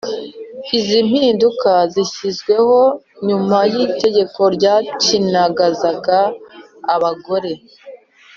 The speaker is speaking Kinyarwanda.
izi mpinduka zishyizweho nyuma y’itegeko ryapyinagazaga abagore